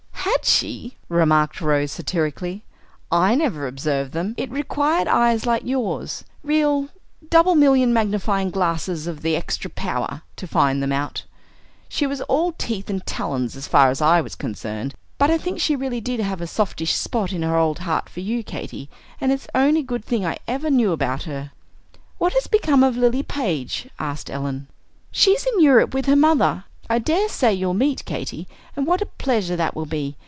"Had she!" remarked Rose, satirically. "I never observed them. It required eyes like yours, real 'double million magnifying glasses of h'extra power,' to find them out. She was all teeth and talons as far as I was concerned; but I think she really did have a softish spot in her old heart for you, Katy, and it's the only good thing I ever knew about her." "What has become of Lilly Page?" asked Ellen. "She's in Europe with her mother. I dare say you'll meet, Katy, and what a pleasure that will be!